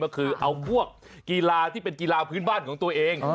ก็คือเอาพวกกีฬาที่เป็นกีฬาพื้นบ้านของตัวเอง